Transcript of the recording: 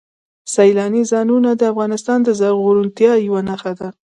سیلاني ځایونه د افغانستان د زرغونتیا یوه نښه ده.